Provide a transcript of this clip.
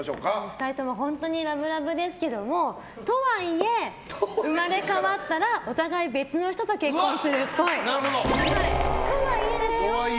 ２人とも本当にラブラブですけどもとはいえ生まれ変わったらお互い別の人と結婚するっぽい。とはいえですよ。